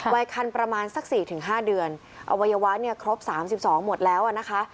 วัยคันประมาณสัก๔๕เดือนอวัยวะเนี่ยครบ๓๒หมดแล้วอ่ะนะคะ